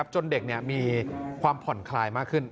จนเด็กมีความผ่อนคลายมากขึ้น